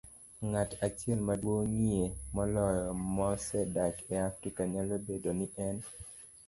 Ng'at achiel maduong'ie moloyo mosedak e Afrika, nyalo bedo ni en